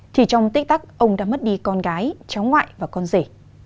thì trong tích tắc ông đã mất đi con gái cháu ngoại và con rể